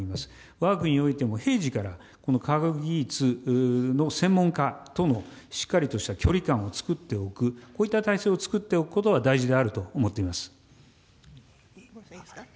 わが国においても、平時から、この科学技術の専門家とのしっかりとした距離感を作っておく、こういった体制を作っておくことが大事であると思っています。